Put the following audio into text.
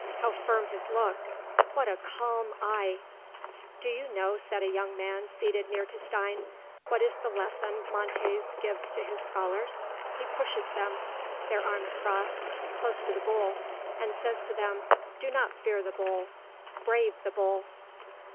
how firm his look! what a calm eye!" "Do you know," said a young man seated near to Stein, "what is the lesson Montés gives to his scholars? He pushes them, their arms crossed, close to the bull, and says to them, 'Do not fear the bull brave the bull!'"